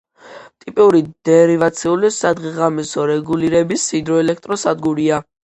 ტიპური დერივაციული სადღეღამისო რეგულირების ჰიდროელექტროსადგურია.